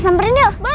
guha gua kena ketawa